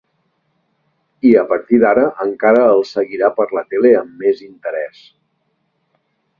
I a partir d'ara encara el seguirà per la tele amb més interès.